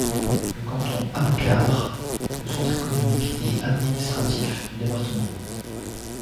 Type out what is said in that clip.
Le canton abkar est le centre économique et administratif du département.